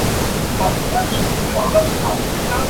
他的才华受到其他音乐家的重视。